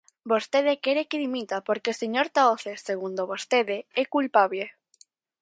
Vostede quere que dimita porque o señor Tahoces, segundo vostede, é culpable.